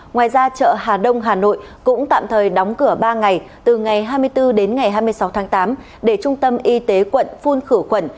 ngoài ra chợ hà đông hà nội cũng tạm thời đóng cửa ba ngày từ ngày hai mươi bốn hai mươi sáu tám để trung tâm y tế quận phun khử quận